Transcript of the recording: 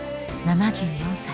７４歳。